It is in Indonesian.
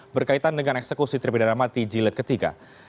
berkaitan dengan eksekusi terpidana mati jilid ketiga